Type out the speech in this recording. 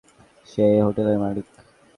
সে এ হোটেলের মালিক।